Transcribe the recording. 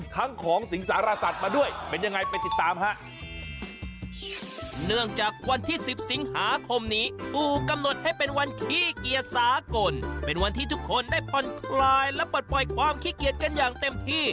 ทั้งของสิงสารสัตว์มาด้วยเป็นยังไงไปติดตามฮะ